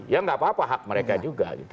ya nggak apa apa hak mereka juga gitu